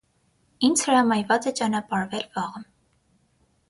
- Ինձ հրամայված է ճանապարհվել վաղը: